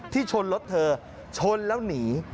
ชนรถเธอชนแล้วหนี